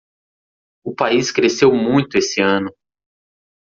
O país cresceu muito esse ano.